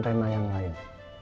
rena yang lain